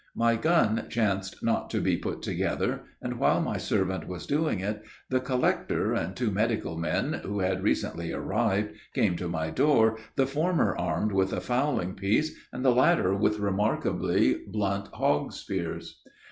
My gun chanced not to be put together; and while my servant was doing it, the collector, and two medical men, who had recently arrived, came to my door, the former armed with a fowling piece, and the latter with remarkably blunt hog spears.